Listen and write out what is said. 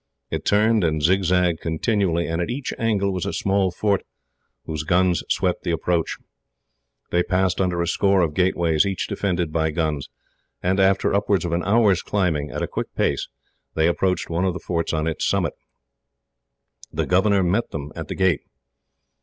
It turned and zigzagged continually, and at each angle was a small fort, whose guns swept the approach. They passed under a score of gateways, each defended by guns; and after upwards of an hour's climbing, at a quick pace, they approached one of the forts on its summit. The governor met them at the gate.